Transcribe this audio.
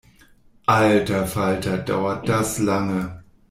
Alter Falter, dauert das lange!